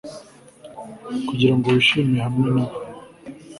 kugira ngo wishime hamwe na bo